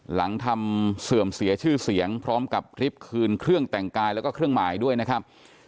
หลังทำเสื่อมเสียชื่อเสียงพร้อมกับคลิปคืนเครื่องแต่งกายแล้วก็เครื่องหมายด้วยนะครับ